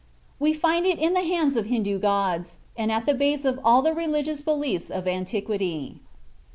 We find it in the hands of Hindoo gods, and at the base of all the religious beliefs of antiquity.